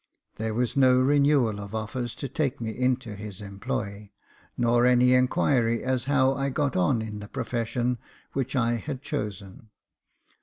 there was no renewal of offers to take me into his employ, nor any inquiry as to how I got on in the profession which I had chosen.